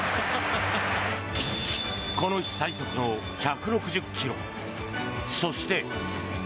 この日最速の１６０ｋｍ。